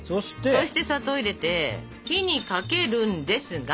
そして砂糖を入れて火にかけるんですが。